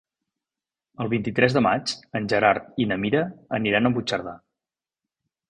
El vint-i-tres de maig en Gerard i na Mira aniran a Puigcerdà.